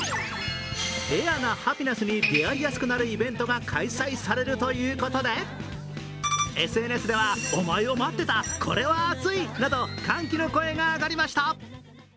レアなハピナスに出会いやすくなるイベントが開催されるということで、ＳＮＳでは、歓喜の声が上がりました。